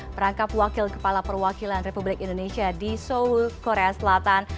merangkap wakil kepala perwakilan republik indonesia di seoul korea selatan